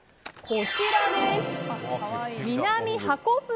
こちらです。